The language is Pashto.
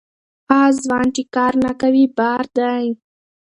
هغه ځوان چې کار نه کوي، بار دی.